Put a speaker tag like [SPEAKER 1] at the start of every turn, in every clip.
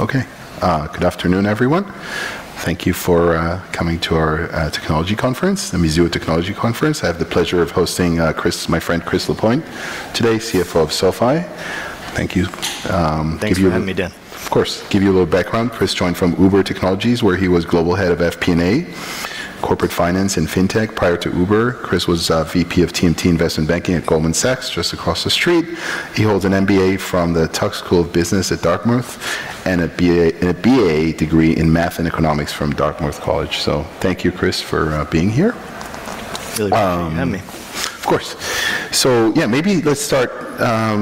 [SPEAKER 1] Okay. Good afternoon, everyone. Thank you for coming to our technology conference, the Museum of Technology Conference. I have the pleasure of hosting Chris, my friend Chris Lapointe, today, CFO of SoFi. Thank you.
[SPEAKER 2] Thanks for having me again Dan.
[SPEAKER 1] Of course. To give you a little background. Chris joined from Uber Technologies, where he was global head of FP&A, corporate finance and fintech. Prior to Uber, Chris was VP of TMT Investment Banking at Goldman Sachs, just across the street. He holds an MBA from the Tuck School of Business at Dartmouth and a BA degree in math and economics from Dartmouth College. So thank you, Chris, for being here.
[SPEAKER 2] Really glad you could have me.
[SPEAKER 1] Of course. So yeah, maybe let's start a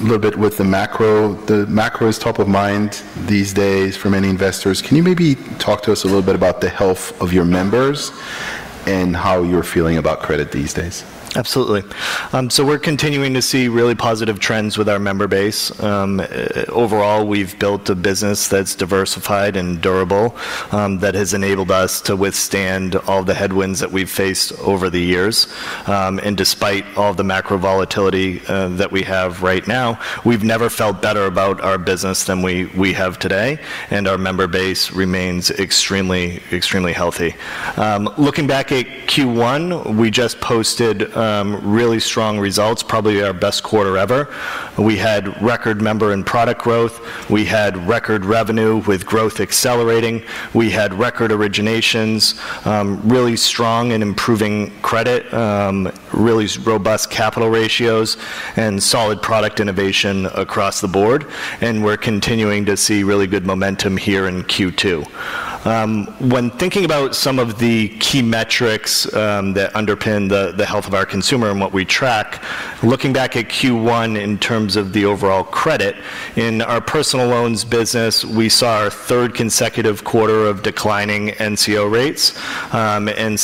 [SPEAKER 1] little bit with the macro. The macro is top of mind these days for many investors. Can you maybe talk to us a little bit about the health of your members and how you're feeling about credit these days?
[SPEAKER 2] Absolutely. We're continuing to see really positive trends with our member base. Overall, we've built a business that's diversified and durable that has enabled us to withstand all the headwinds that we've faced over the years. Despite all the macro volatility that we have right now, we've never felt better about our business than we have today. Our member base remains extremely, extremely healthy. Looking back at Q1, we just posted really strong results, probably our best quarter ever. We had record member and product growth. We had record revenue with growth accelerating. We had record originations, really strong and improving credit, really robust capital ratios, and solid product innovation across the board. We're continuing to see really good momentum here in Q2. When thinking about some of the key metrics that underpin the health of our consumer and what we track, looking back at Q1 in terms of the overall credit, in our personal loans business, we saw our third consecutive quarter of declining NCO rates.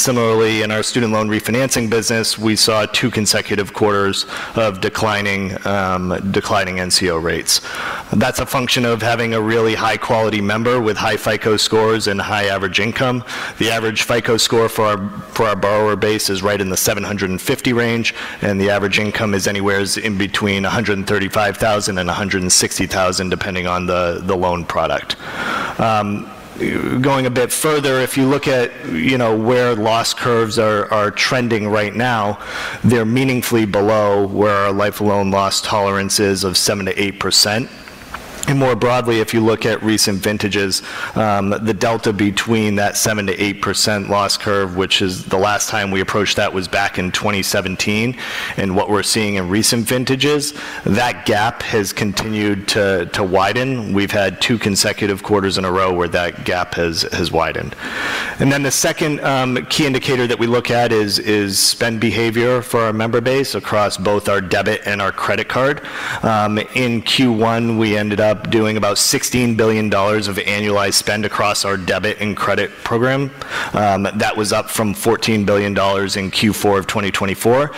[SPEAKER 2] Similarly, in our student loan refinancing business, we saw two consecutive quarters of declining NCO rates. That is a function of having a really high-quality member with high FICO Scores and high average income. The average FICO Score for our borrower base is right in the 750 range, and the average income is anywhere in between $135,000 and $160,000, depending on the loan product. Going a bit further, if you look at where loss curves are trending right now, they are meaningfully below where our life loan loss tolerance is of 7-8%. More broadly, if you look at recent vintages, the delta between that 7%-8% loss curve, which is the last time we approached that, was back in 2017. What we're seeing in recent vintages, that gap has continued to widen. We've had two consecutive quarters in a row where that gap has widened. The second key indicator that we look at is spend behavior for our member base across both our debit and our credit card. In Q1, we ended up doing about $16 billion of annualized spend across our debit and credit program. That was up from $14 billion in Q4 of 2024.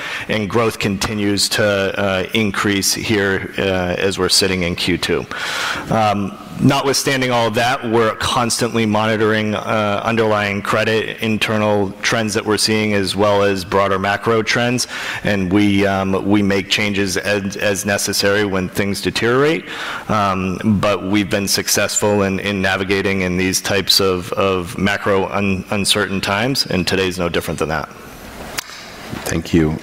[SPEAKER 2] Growth continues to increase here as we're sitting in Q2. Notwithstanding all of that, we're constantly monitoring underlying credit, internal trends that we're seeing, as well as broader macro trends. We make changes as necessary when things deteriorate. We've been successful in navigating in these types of macro uncertain times. Today is no different than that.
[SPEAKER 1] Thank you.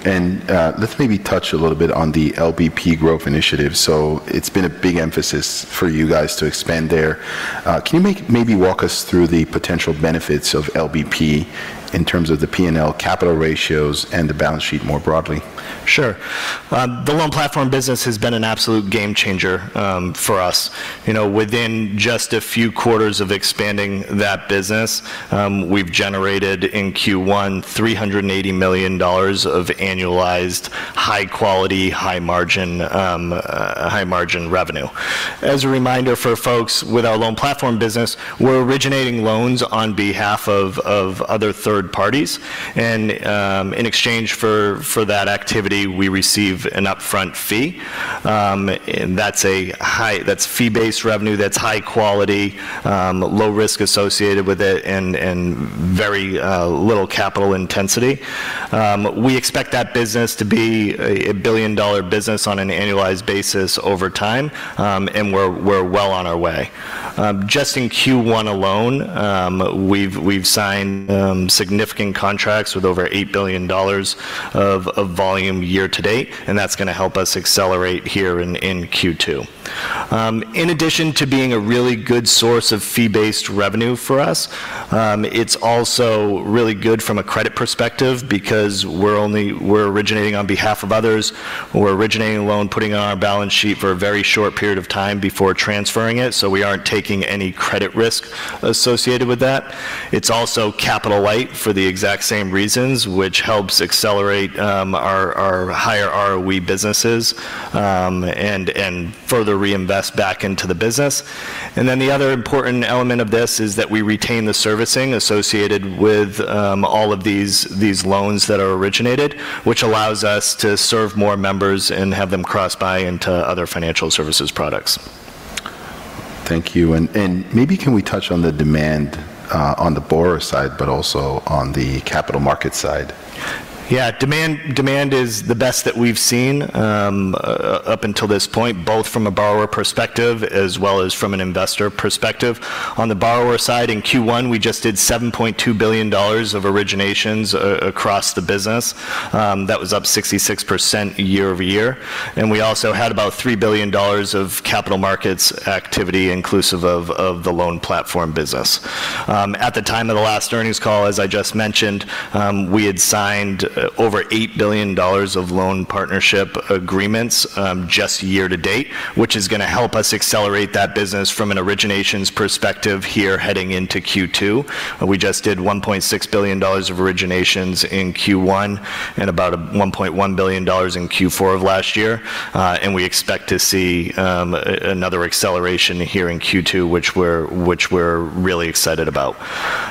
[SPEAKER 1] Let's maybe touch a little bit on the LPB growth initiative. It's been a big emphasis for you guys to expand there. Can you maybe walk us through the potential benefits of LPB in terms of the P&L, capital ratios, and the balance sheet more broadly?
[SPEAKER 2] Sure. The loan platform business has been an absolute game changer for us. Within just a few quarters of expanding that business, we've generated in Q1 $380 million of annualized high-quality, high-margin revenue. As a reminder for folks with our loan platform business, we're originating loans on behalf of other third parties. In exchange for that activity, we receive an upfront fee. That's fee-based revenue. That's high quality, low risk associated with it, and very little capital intensity. We expect that business to be a billion dollar business on an annualized basis over time. We're well on our way. Just in Q1 alone, we've signed significant contracts with over $8 billion of volume year to date. That's going to help us accelerate here in Q2. In addition to being a really good source of fee-based revenue for us, it's also really good from a credit perspective because we're originating on behalf of others. We're originating a loan, putting it on our balance sheet for a very short period of time before transferring it. We aren't taking any credit risk associated with that. It's also capital light for the exact same reasons, which helps accelerate our higher ROE businesses and further reinvest back into the business. The other important element of this is that we retain the servicing associated with all of these loans that are originated, which allows us to serve more members and have them cross buy into other financial services products.
[SPEAKER 1] Thank you. Maybe can we touch on the demand on the borrower side, but also on the capital market side?
[SPEAKER 2] Yeah. Demand is the best that we've seen up until this point, both from a borrower perspective as well as from an investor perspective. On the borrower side, in Q1, we just did $7.2 billion of originations across the business. That was up 66% year-over-year. We also had about $3 billion of capital markets activity inclusive of the loan platform business. At the time of the last earnings call, as I just mentioned, we had signed over $8 billion of loan partnership agreements just year to date, which is going to help us accelerate that business from an originations perspective here heading into Q2. We just did $1.6 billion of originations in Q1 and about $1.1 billion in Q4 of last year. We expect to see another acceleration here in Q2, which we're really excited about.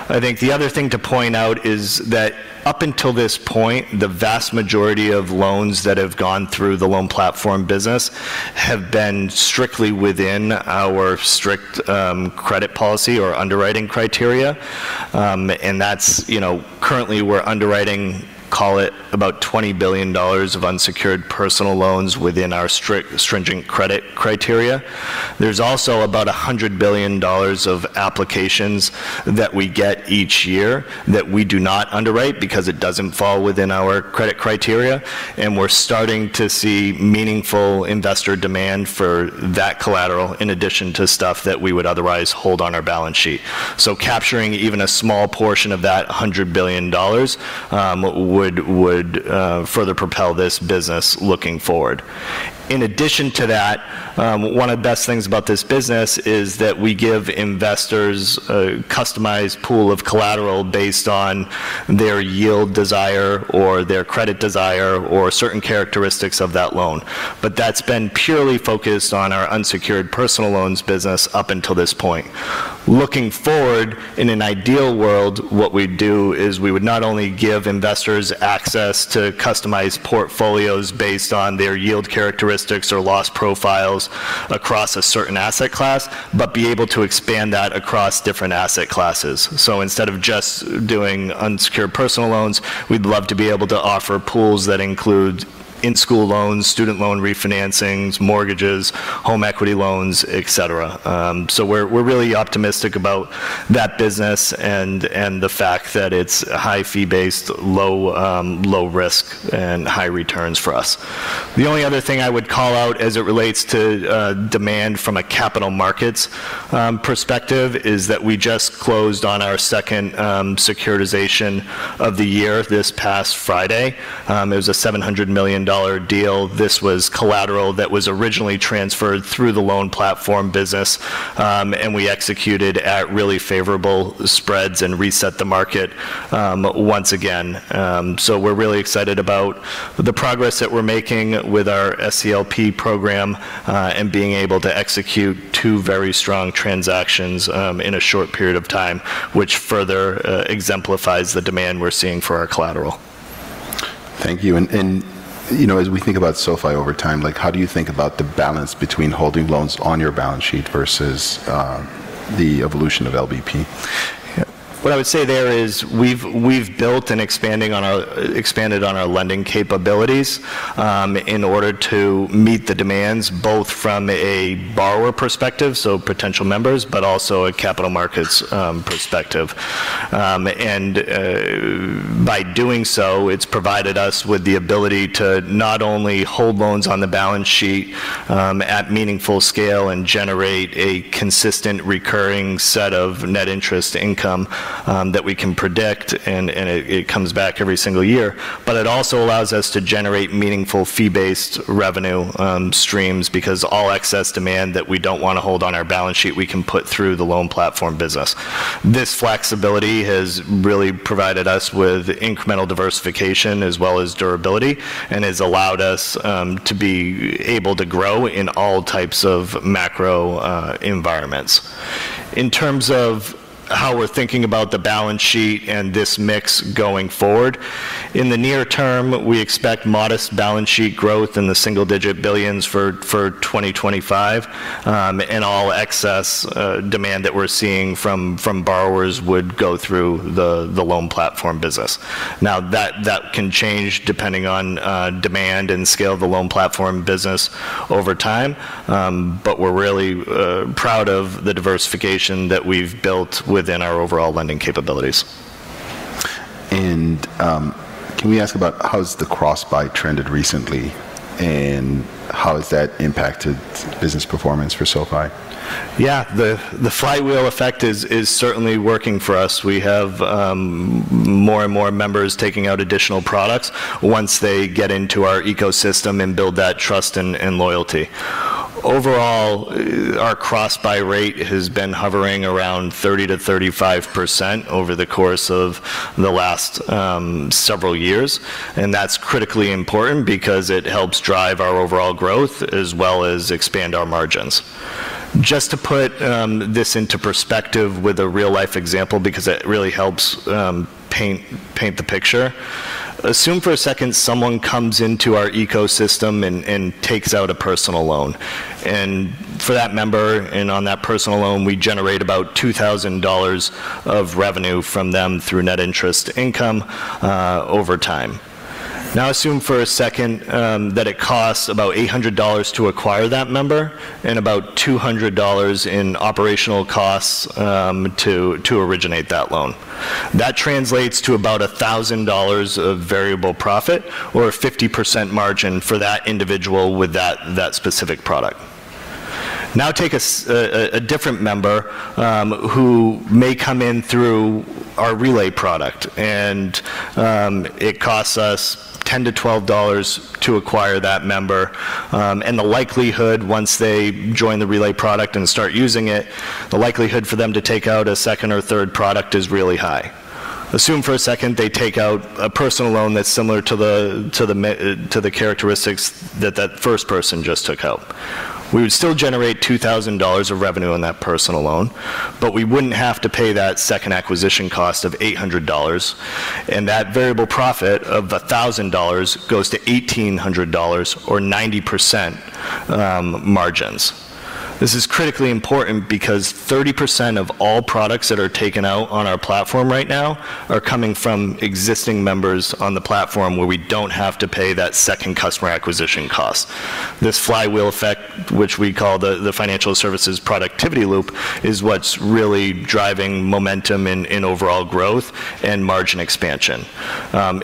[SPEAKER 2] I think the other thing to point out is that up until this point, the vast majority of loans that have gone through the loan platform business have been strictly within our strict credit policy or underwriting criteria. Currently, we're underwriting, call it, about $20 billion of unsecured personal loans within our stringent credit criteria. There's also about $100 billion of applications that we get each year that we do not underwrite because it does not fall within our credit criteria. We're starting to see meaningful investor demand for that collateral in addition to stuff that we would otherwise hold on our balance sheet. Capturing even a small portion of that $100 billion would further propel this business looking forward. In addition to that, one of the best things about this business is that we give investors a customized pool of collateral based on their yield desire or their credit desire or certain characteristics of that loan. That has been purely focused on our unsecured personal loans business up until this point. Looking forward, in an ideal world, what we would do is we would not only give investors access to customized portfolios based on their yield characteristics or loss profiles across a certain asset class, but be able to expand that across different asset classes. Instead of just doing unsecured personal loans, we would love to be able to offer pools that include in-school loans, student loan refinancings, mortgages, home equity loans, etc. We are really optimistic about that business and the fact that it is high fee-based, low risk, and high returns for us. The only other thing I would call out as it relates to demand from a capital markets perspective is that we just closed on our second securitization of the year this past Friday. It was a $700 million deal. This was collateral that was originally transferred through the loan platform business. We executed at really favorable spreads and reset the market once again. We are really excited about the progress that we are making with our SCLP program and being able to execute two very strong transactions in a short period of time, which further exemplifies the demand we are seeing for our collateral.
[SPEAKER 1] Thank you. As we think about SoFi over time, how do you think about the balance between holding loans on your balance sheet versus the evolution of LPB?
[SPEAKER 2] What I would say there is we've built and expanded on our lending capabilities in order to meet the demands both from a borrower perspective, so potential members, but also a capital markets perspective. By doing so, it's provided us with the ability to not only hold loans on the balance sheet at meaningful scale and generate a consistent recurring set of net interest income that we can predict, and it comes back every single year. It also allows us to generate meaningful fee-based revenue streams because all excess demand that we don't want to hold on our balance sheet, we can put through the loan platform business. This flexibility has really provided us with incremental diversification as well as durability and has allowed us to be able to grow in all types of macro environments. In terms of how we're thinking about the balance sheet and this mix going forward, in the near term, we expect modest balance sheet growth in the single digit billions for 2025. All excess demand that we're seeing from borrowers would go through the loan platform business. Now, that can change depending on demand and scale of the loan platform business over time. We are really proud of the diversification that we've built within our overall lending capabilities.
[SPEAKER 1] Can we ask about how has the cross buy trended recently and how has that impacted business performance for SoFi?
[SPEAKER 2] Yeah. The flywheel effect is certainly working for us. We have more and more members taking out additional products once they get into our ecosystem and build that trust and loyalty. Overall, our cross buy rate has been hovering around 30%-35% over the course of the last several years. That is critically important because it helps drive our overall growth as well as expand our margins. Just to put this into perspective with a real-life example because it really helps paint the picture, assume for a second someone comes into our ecosystem and takes out a personal loan. For that member and on that personal loan, we generate about $2,000 of revenue from them through net interest income over time. Now, assume for a second that it costs about $800 to acquire that member and about $200 in operational costs to originate that loan. That translates to about $1,000 of variable profit or a 50% margin for that individual with that specific product. Now, take a different member who may come in through our Relay product. It costs us $10-$12 to acquire that member. The likelihood, once they join the Relay product and start using it, the likelihood for them to take out a second or third product is really high. Assume for a second they take out a personal loan that's similar to the characteristics that that first person just took out. We would still generate $2,000 of revenue on that personal loan, but we wouldn't have to pay that second acquisition cost of $800. That variable profit of $1,000 goes to $1,800 or 90% margins. This is critically important because 30% of all products that are taken out on our platform right now are coming from existing members on the platform where we do not have to pay that second customer acquisition cost. This flywheel effect, which we call the Financial Services Productivity Loop, is what is really driving momentum in overall growth and margin expansion.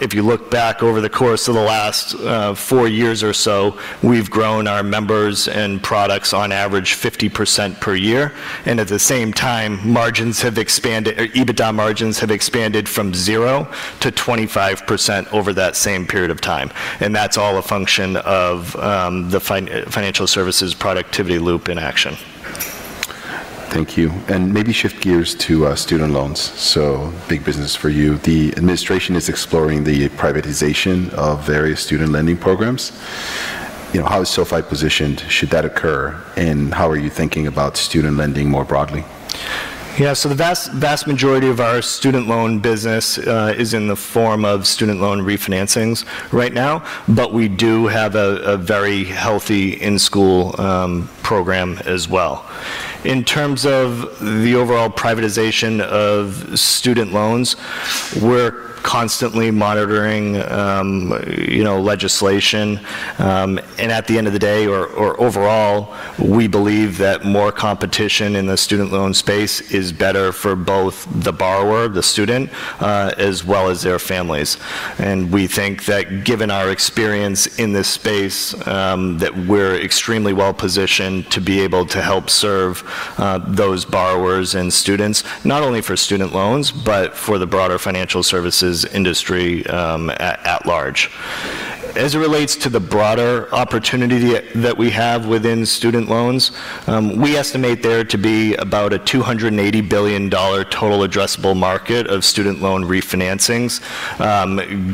[SPEAKER 2] If you look back over the course of the last four years or so, we have grown our members and products on average 50% per year. At the same time, EBITDA margins have expanded from 0%-25% over that same period of time. That is all a function of the financial services productivity loop in action.
[SPEAKER 1] Thank you. Maybe shift gears to student loans. Big business for you. The administration is exploring the privatization of various student lending programs. How is SoFi positioned should that occur? How are you thinking about student lending more broadly?
[SPEAKER 2] Yeah. The vast majority of our student loan business is in the form of student loan refinancings right now. We do have a very healthy in-school program as well. In terms of the overall privatization of student loans, we're constantly monitoring legislation. At the end of the day, or overall, we believe that more competition in the student loan space is better for both the borrower, the student, as well as their families. We think that given our experience in this space, we're extremely well positioned to be able to help serve those borrowers and students, not only for student loans, but for the broader financial services industry at large. As it relates to the broader opportunity that we have within student loans, we estimate there to be about a $280 billion total addressable market of student loan refinancings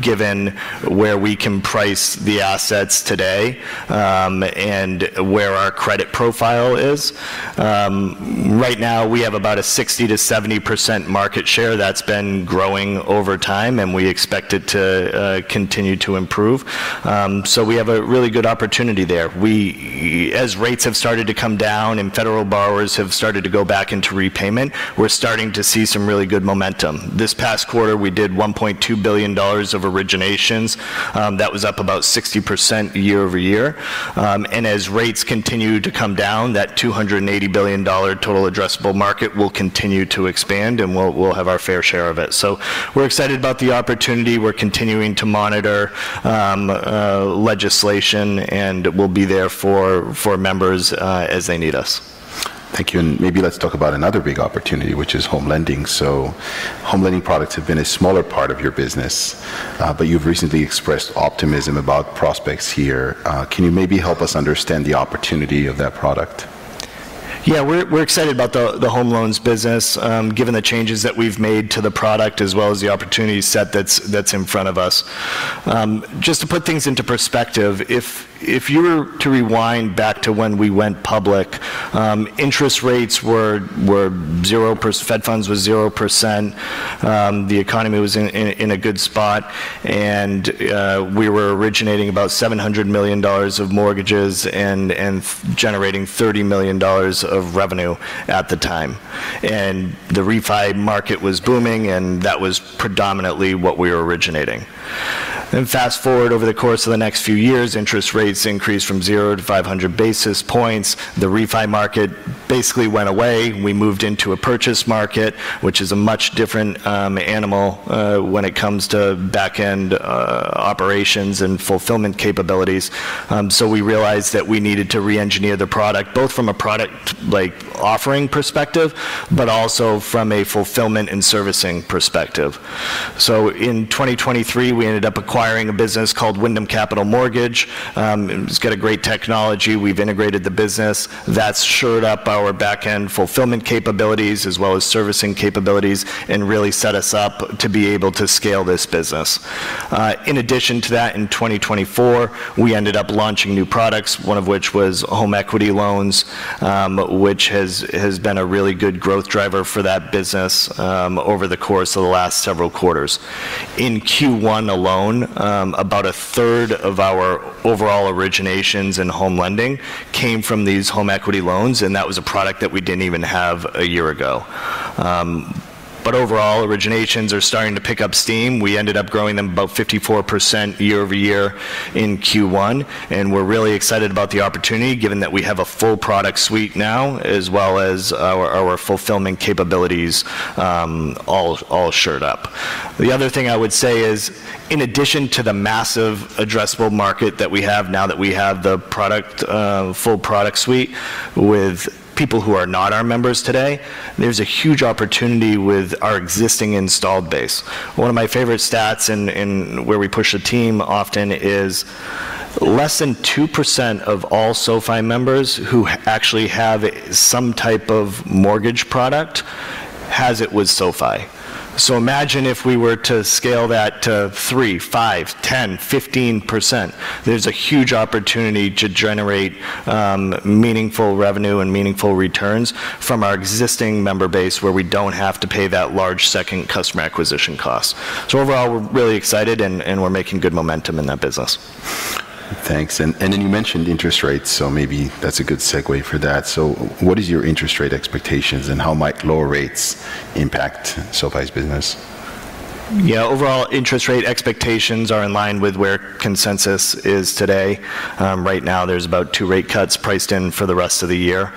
[SPEAKER 2] given where we can price the assets today and where our credit profile is. Right now, we have about a 60%-70% market share that's been growing over time, and we expect it to continue to improve. We have a really good opportunity there. As rates have started to come down and federal borrowers have started to go back into repayment, we're starting to see some really good momentum. This past quarter, we did $1.2 billion of originations. That was up about 60% year-over-year. As rates continue to come down, that $280 billion total addressable market will continue to expand, and we'll have our fair share of it. We're excited about the opportunity. We're continuing to monitor legislation, and we'll be there for members as they need us.
[SPEAKER 1] Thank you. Maybe let's talk about another big opportunity, which is home lending. Home lending products have been a smaller part of your business, but you've recently expressed optimism about prospects here. Can you maybe help us understand the opportunity of that product?
[SPEAKER 2] Yeah. We're excited about the home loans business given the changes that we've made to the product as well as the opportunity set that's in front of us. Just to put things into perspective, if you were to rewind back to when we went public, interest rates were 0%, Fed funds was 0%. The economy was in a good spot. We were originating about $700 million of mortgages and generating $30 million of revenue at the time. The refi market was booming, and that was predominantly what we were originating. Fast forward over the course of the next few years, interest rates increased from 0 to 500 basis points. The refi market basically went away. We moved into a purchase market, which is a much different animal when it comes to back-end operations and fulfillment capabilities. We realized that we needed to re-engineer the product both from a product offering perspective but also from a fulfillment and servicing perspective. In 2023, we ended up acquiring a business called Wyndham Capital Mortgage. It has great technology. We have integrated the business. That has shored up our back-end fulfillment capabilities as well as servicing capabilities and really set us up to be able to scale this business. In addition to that, in 2024, we ended up launching new products, one of which was home equity loans, which has been a really good growth driver for that business over the course of the last several quarters. In Q1 alone, about a third of our overall originations in home lending came from these home equity loans, and that was a product that we did not even have a year ago. Overall, originations are starting to pick up steam. We ended up growing them about 54% year-over-year in Q1. We are really excited about the opportunity given that we have a full product suite now as well as our fulfillment capabilities all shored up. The other thing I would say is, in addition to the massive addressable market that we have now that we have the full product suite with people who are not our members today, there is a huge opportunity with our existing installed base. One of my favorite stats and where we push the team often is less than 2% of all SoFi members who actually have some type of mortgage product has it with SoFi. Imagine if we were to scale that to 3%, 5%, 10%, 15%. There's a huge opportunity to generate meaningful revenue and meaningful returns from our existing member base where we don't have to pay that large second customer acquisition cost. Overall, we're really excited, and we're making good momentum in that business.
[SPEAKER 1] Thanks. Then you mentioned interest rates, so maybe that's a good segue for that. What is your interest rate expectations, and how might lower rates impact SoFi's business?
[SPEAKER 2] Yeah. Overall, interest rate expectations are in line with where consensus is today. Right now, there's about two rate cuts priced in for the rest of the year.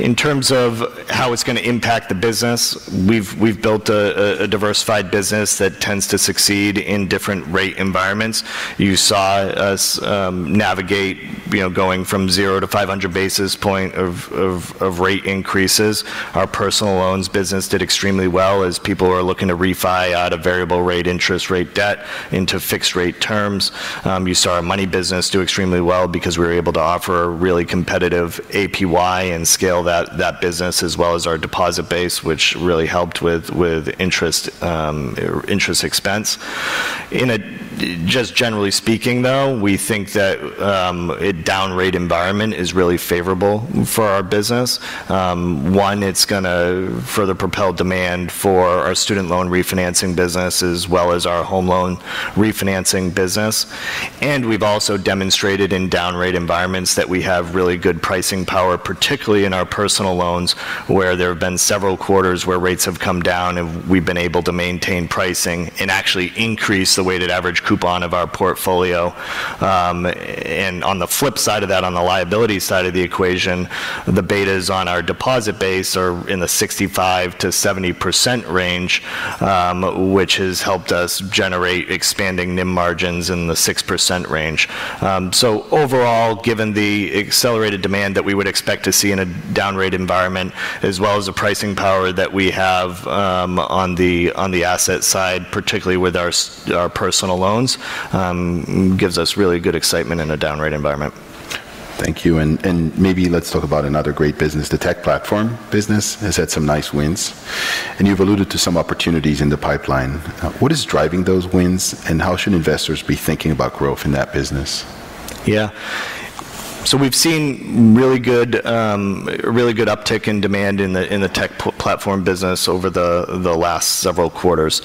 [SPEAKER 2] In terms of how it's going to impact the business, we've built a diversified business that tends to succeed in different rate environments. You saw us navigate going from 0 to 500 basis points of rate increases. Our personal loans business did extremely well as people were looking to refi out of variable rate interest rate debt into fixed rate terms. You saw our money business do extremely well because we were able to offer a really competitive APY and scale that business as well as our deposit base, which really helped with interest expense. Just generally speaking, though, we think that a down rate environment is really favorable for our business. One, it's going to further propel demand for our student loan refinancing business as well as our home loan refinancing business. We've also demonstrated in down rate environments that we have really good pricing power, particularly in our personal loans where there have been several quarters where rates have come down, and we've been able to maintain pricing and actually increase the weighted average coupon of our portfolio. On the flip side of that, on the liability side of the equation, the betas on our deposit base are in the 65%-70% range, which has helped us generate expanding NIM margins in the 6% range. Overall, given the accelerated demand that we would expect to see in a down rate environment as well as the pricing power that we have on the asset side, particularly with our personal loans, gives us really good excitement in a down rate environment.
[SPEAKER 1] Thank you. Maybe let's talk about another great business, the tech platform business. It has had some nice wins. You have alluded to some opportunities in the pipeline. What is driving those wins, and how should investors be thinking about growth in that business?
[SPEAKER 2] Yeah. So we've seen really good uptick in demand in the tech platform business over the last several quarters.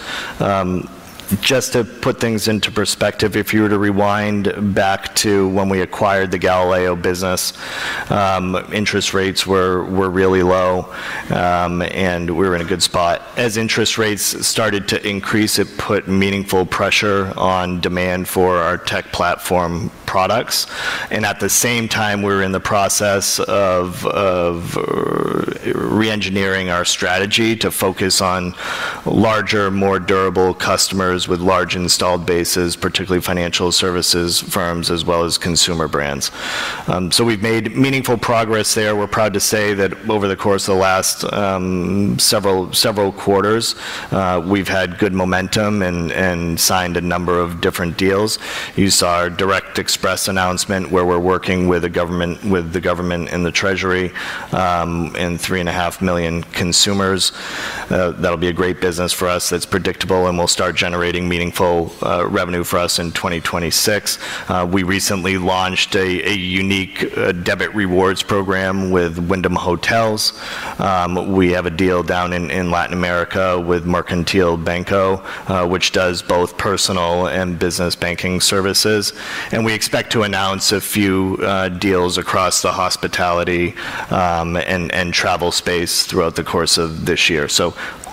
[SPEAKER 2] Just to put things into perspective, if you were to rewind back to when we acquired the Galileo business, interest rates were really low, and we were in a good spot. As interest rates started to increase, it put meaningful pressure on demand for our tech platform products. At the same time, we were in the process of re-engineering our strategy to focus on larger, more durable customers with large installed bases, particularly financial services firms as well as consumer brands. We've made meaningful progress there. We're proud to say that over the course of the last several quarters, we've had good momentum and signed a number of different deals. You saw our Direct Express announcement where we're working with the government and the Treasury and 3.5 million consumers. That'll be a great business for us that's predictable, and we'll start generating meaningful revenue for us in 2026. We recently launched a unique debit rewards program with Wyndham Hotels. We have a deal down in Latin America with Mercantile Banco, which does both personal and business banking services. We expect to announce a few deals across the hospitality and travel space throughout the course of this year.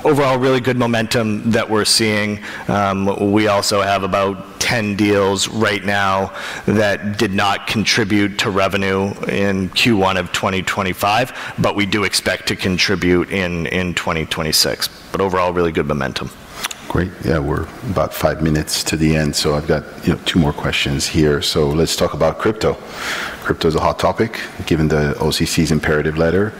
[SPEAKER 2] Overall, really good momentum that we're seeing. We also have about 10 deals right now that did not contribute to revenue in Q1 of 2025, but we do expect to contribute in 2026. Overall, really good momentum.
[SPEAKER 1] Great. Yeah. We're about five minutes to the end, so I've got two more questions here. Let's talk about crypto. Crypto is a hot topic given the OCC's imperative letter.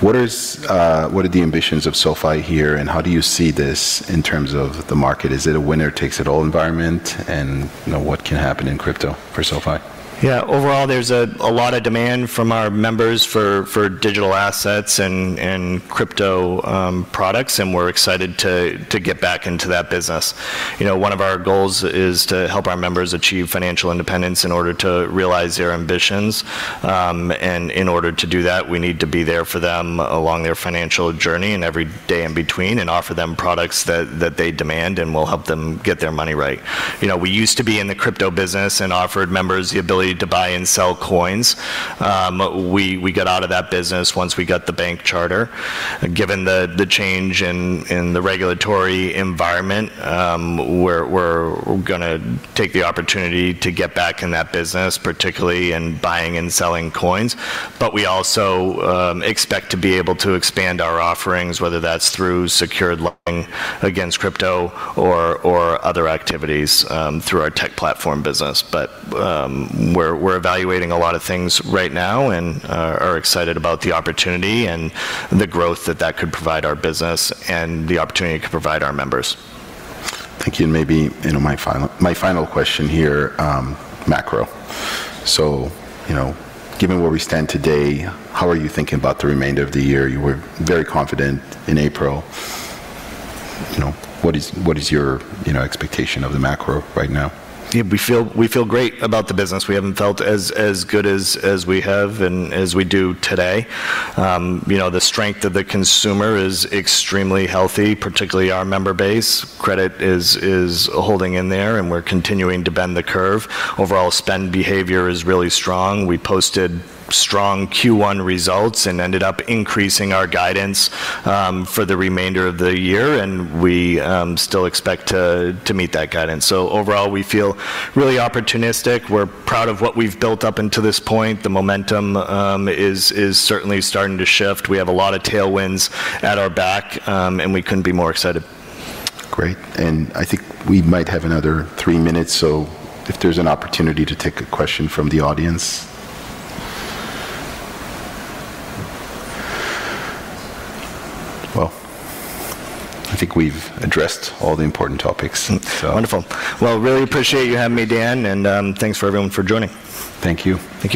[SPEAKER 1] What are the ambitions of SoFi here, and how do you see this in terms of the market? Is it a winner-takes-it-all environment, and what can happen in crypto for SoFi?
[SPEAKER 2] Yeah. Overall, there's a lot of demand from our members for digital assets and crypto products, and we're excited to get back into that business. One of our goals is to help our members achieve financial independence in order to realize their ambitions. In order to do that, we need to be there for them along their financial journey and every day in between and offer them products that they demand and will help them get their money right. We used to be in the crypto business and offered members the ability to buy and sell coins. We got out of that business once we got the bank charter. Given the change in the regulatory environment, we're going to take the opportunity to get back in that business, particularly in buying and selling coins. We also expect to be able to expand our offerings, whether that's through secured lending against crypto or other activities through our tech platform business. We're evaluating a lot of things right now and are excited about the opportunity and the growth that that could provide our business and the opportunity to provide our members.
[SPEAKER 1] Thank you. Maybe my final question here, macro. Given where we stand today, how are you thinking about the remainder of the year? You were very confident in April. What is your expectation of the macro right now?
[SPEAKER 2] We feel great about the business. We haven't felt as good as we have and as we do today. The strength of the consumer is extremely healthy, particularly our member base. Credit is holding in there, and we're continuing to bend the curve. Overall, spend behavior is really strong. We posted strong Q1 results and ended up increasing our guidance for the remainder of the year, and we still expect to meet that guidance. Overall, we feel really opportunistic. We're proud of what we've built up until this point. The momentum is certainly starting to shift. We have a lot of tailwinds at our back, and we couldn't be more excited.
[SPEAKER 1] Great. I think we might have another three minutes, so if there's an opportunity to take a question from the audience. I think we've addressed all the important topics.
[SPEAKER 2] Wonderful. I really appreciate you having me, Dan, and thanks to everyone for joining.
[SPEAKER 1] Thank you.
[SPEAKER 2] Thank you.